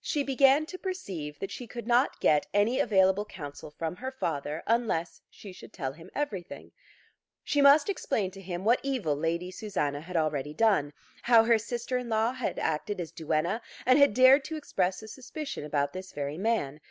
She began to perceive that she could not get any available counsel from her father unless she could tell him everything. She must explain to him what evil Lady Susanna had already done; how her sister in law had acted as duenna, and had dared to express a suspicion about this very man.